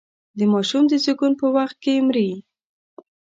د ماشوم د زېږون په وخت کې مري.